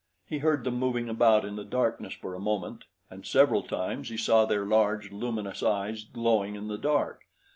He heard them moving about in the darkness for a moment, and several times he saw their large luminous eyes glowing in the dark.